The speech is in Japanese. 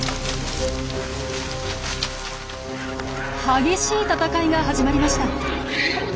激しい戦いが始まりました。